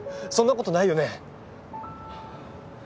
そんなことないよね？